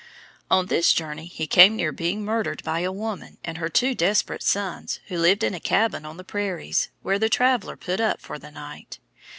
On this journey he came near being murdered by a woman and her two desperate sons who lived in a cabin on the prairies, where the traveller put up for the night.